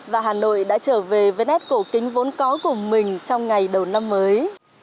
và hà nội đã trở về với nét cổ kính vốn có của mình trong ngày đầu năm mới